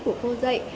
của cô dạy